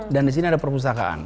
dan disini ada perpustakaan